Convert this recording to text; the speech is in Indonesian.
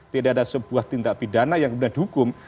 tidak ada sebuah tindak pidana yang benar benar dihukum